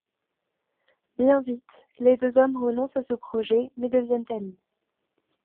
Bien vite, les deux hommes renoncent à ce projet, mais deviennent amis.